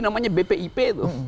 namanya bpip itu